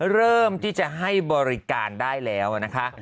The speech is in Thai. เริ่มที่จะให้บริการได้แล้วนะคะ